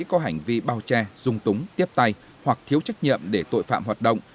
có hành vi bao che dung túng tiếp tay hoặc thiếu trách nhiệm để tội phạm hoạt động